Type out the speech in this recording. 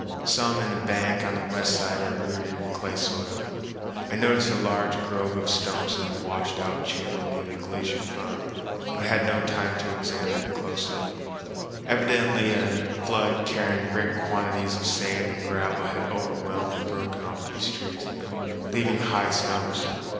Some in a bank of the west side are rooted in clay soil. I noticed a large grove of stumps in a washed out channel near the glacier front but had no time to examine closely. Evidently a flood carrying great quantities of sand and gravel had overwhelmed and broken off these trees, leaving high stumps.